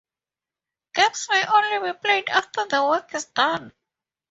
Games may only be played after the work is done.